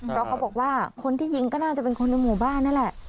เพราะเขาบอกว่าคนที่ยิงก็น่าจะเป็นคนในหมู่บ้านนั่นแหละ